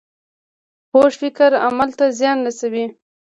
کوږ فکر عمل ته زیان رسوي